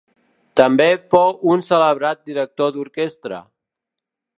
També fou un celebrat director d'orquestra.